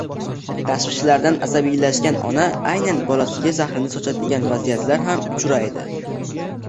Tashvishlardan asabiylashgan ona aynan bolasiga zahrini sochadigan vaziyatlar ham uchraydi